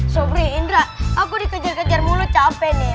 sobhri indra aku dikejar ketiarmule capek nih